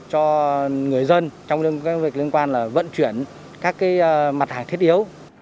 cho người dân trong cái việc liên quan là vận chuyển các cái mặt hàng thiết yếu